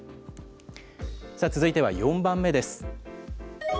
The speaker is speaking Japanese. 続いては４番目です。